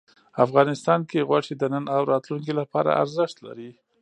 افغانستان کې غوښې د نن او راتلونکي لپاره ارزښت لري.